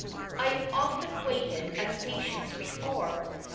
I have often waited at stations before.